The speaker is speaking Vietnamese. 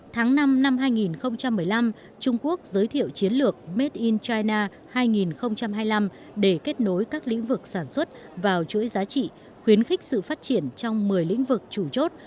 tháng năm năm hai nghìn một mươi năm trung quốc giới thiệu chiến lược made in china hai nghìn hai mươi năm để kết nối các lĩnh vực sản xuất vào chuỗi giá trị khuyến khích sự phát triển trong một mươi lĩnh vực chủ chốt